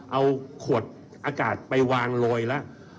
เอาขวดอากาศไปวางโรยแล้ว